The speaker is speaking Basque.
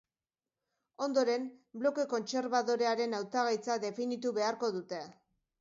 Ondoren bloke kontserbadorearen hautagaitza definitu beharko dute.